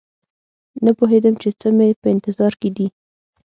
نه پوهېدم چې څه مې په انتظار کې دي